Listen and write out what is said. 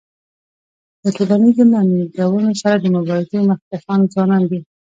د ټولنیزو ننګونو سره د مبارزې مخکښان ځوانان دي.